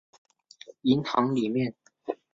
银行里面